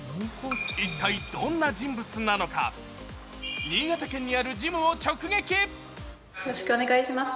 一体どんな人物なのか、新潟県にあるジムを直撃。